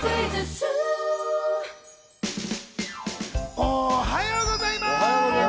おはようございます！